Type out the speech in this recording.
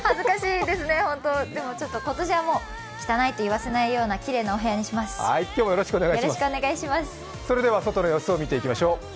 でも今年は汚いといわせないようそれでは外の様子を見ていきましょう。